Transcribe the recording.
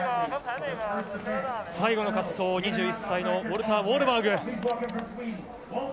最後の滑走、２１歳のウォルター・ウォールバーグ。